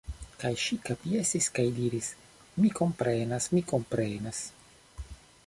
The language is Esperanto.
Kaj ŝi kapjesis kaj diris: Mi komprenas mi komprenas.